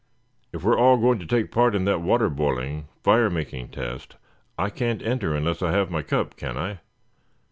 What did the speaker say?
If we're all going to take part in that water boiling, fire making test I can't enter unless I have my cup, can I?